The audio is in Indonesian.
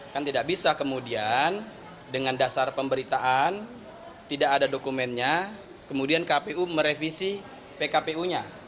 kan tidak bisa kemudian dengan dasar pemberitaan tidak ada dokumennya kemudian kpu merevisi pkpu nya